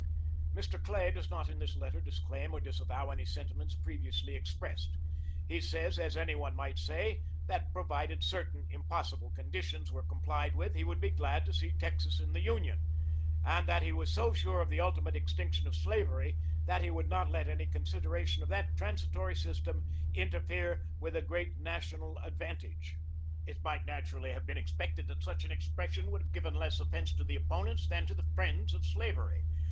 Mr. Clay does not in this letter disclaim or disavow any sentiments previously expressed. He says, as any one might say, that provided certain impossible conditions were complied with, he would be glad to see Texas in the Union, and that he was so sure of the ultimate extinction of slavery that he would not let any consideration of that transitory system interfere with a great national advantage. It might naturally have been expected that such an expression would have given less offense to the opponents than to the friends of slavery.